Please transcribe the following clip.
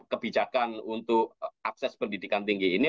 kebijakan untuk akses pendidikan tinggi ini